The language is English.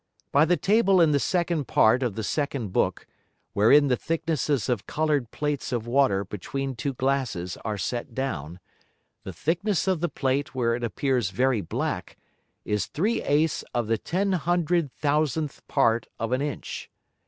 By the Table in the second Part of the second Book, wherein the thicknesses of colour'd Plates of Water between two Glasses are set down, the thickness of the Plate where it appears very black, is three eighths of the ten hundred thousandth part of an Inch.